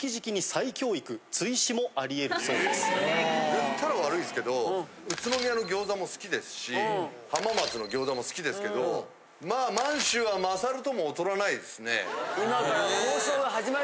言ったら悪いですけど宇都宮の餃子も好きですし浜松の餃子も好きですけどまあ満洲は勝るとも劣らないですね。